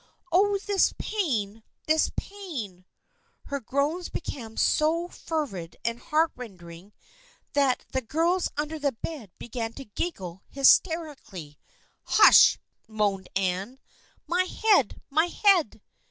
Oh, this pain ! This pain !" Her groans became so fervid and heart rending that the girls under the bed began to giggle hyster 252 THE FKIENDSHIP OF ANNE ically. " Hush !" moaned Anne. " My head ! My head